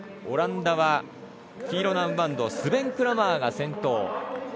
オランダは黄色のアームバンドスベン・クラマーが先頭。